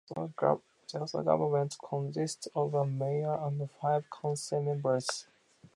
The Athol government consists of a mayor and five council members.